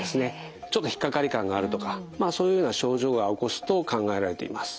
ちょっと引っ掛かり感があるとかそういうような症状が起こすと考えられています。